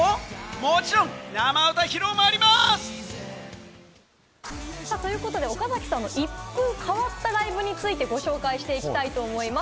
もちろん生歌披露もあります！ということで、岡崎さんの一風変わったライブについて、ご紹介していきたいと思います。